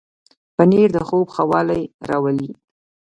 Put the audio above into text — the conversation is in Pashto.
پنېر د خوب ښه والی راولي.